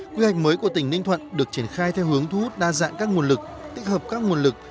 quy hạch mới của tỉnh ninh thuận được triển khai theo hướng thu hút đa dạng các nguồn lực tích hợp các nguồn lực